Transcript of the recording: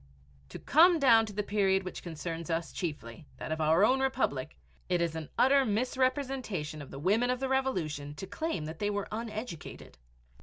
To come down to the period which concerns us chiefly, that of our own Republic, it is an utter misrepresentation of the women of the Revolution to claim that they were uneducated.